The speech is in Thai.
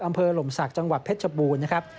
หล่มศักดิ์จังหวัดเพชรบูรณ์นะครับ